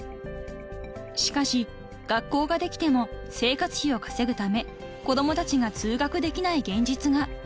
［しかし学校ができても生活費を稼ぐため子供たちが通学できない現実が］